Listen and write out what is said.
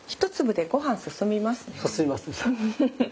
進みます。